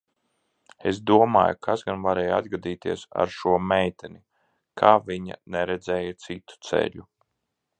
Es domāju, kas gan varēja atgadīties ar šo meiteni, ka viņa neredzēja citu ceļu?